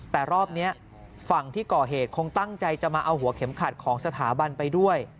แต่รอบนี้ฝั่งที่ก่อเหตุคงตั้งใจจะมาเอาหัวเข็มขัดของสถาบันไปด้วย